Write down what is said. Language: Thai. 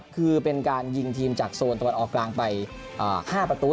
คือเป็นการยิงทีมจากโซนตะวันออกกลางไป๕ประตู